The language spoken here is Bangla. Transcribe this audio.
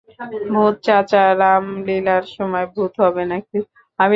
ভূত চাচা, রাম লিলার সময় ভূত হবে নাকি?